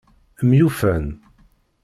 Myufan.